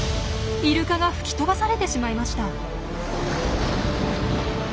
イルカが吹き飛ばされてしまいました。